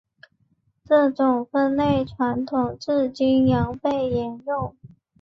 这种分类传统至今仍被沿用。